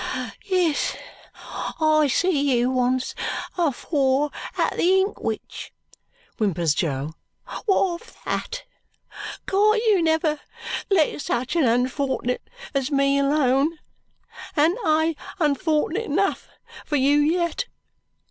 "Yes, I see you once afore at the inkwhich," whimpers Jo. "What of that? Can't you never let such an unfortnet as me alone? An't I unfortnet enough for you yet?